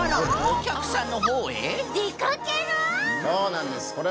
そうなんです。